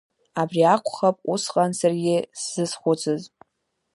Абри акәхап усҟан саргьы сзызхәыцыз.